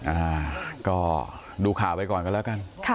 อ่าก็ดูข่าวไว้ก่อนกันละกันค่ะ